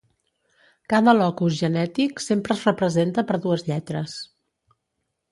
Cada locus genètic sempre es representa per dues lletres.